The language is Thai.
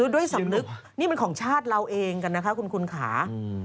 ด้วยสำนึกนี่มันของชาติเราเองกันนะคะคุณค่ะ